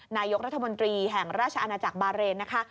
นายกรัฐมนตรีแห่งราชอาณาจักรบาเรนนะคะ